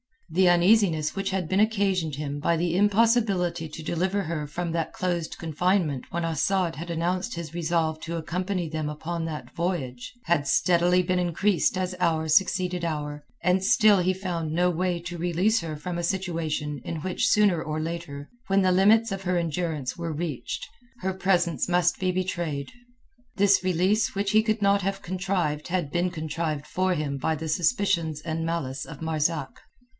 The uneasiness which had been occasioned him by the impossibility to deliver her from that close confinement when Asad had announced his resolve to accompany them upon that voyage, had steadily been increasing as hour succeeded hour, and still he found no way to release her from a situation in which sooner or later, when the limits of her endurance were reached, her presence must be betrayed. This release which he could not have contrived had been contrived for him by the suspicions and malice of Marzak.